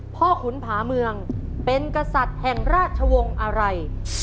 ขุนผาเมืองเป็นกษัตริย์แห่งราชวงศ์อะไร